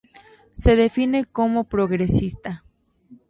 Se define como Progresista.